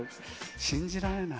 信じられない。